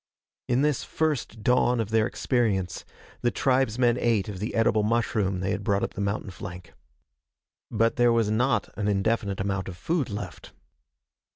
In this first dawn of their experience, the tribesmen ate of the edible mushroom they had brought up the mountain flank. But there was not an indefinite amount of food left.